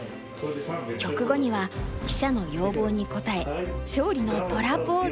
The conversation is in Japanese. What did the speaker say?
局後には記者の要望に応え勝利の虎ポーズ。